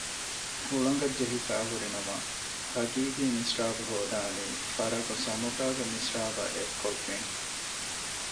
ހުޅަނގަށް ޖެހިފައި ހުރި ނަމަ ހަގީގީ މިސްރާބު ހޯދަނީ ފަރަގު ސަމުގާގެ މިސްރާބަށް އެއްކޮށްގެން